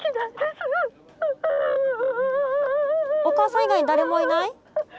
おかあさん以外に誰もいない？